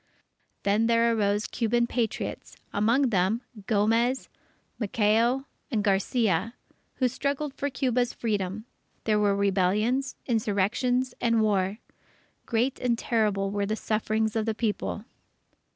Then there arose Cuban Patriots, among them, Gomez, Maceo, and Garcia, who struggled for Cuba's Freedom. There were rebellions, insurrections, and war. Great and terrible were the sufferings of the People.